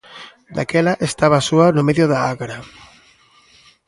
Daquela estaba soa no medio da agra.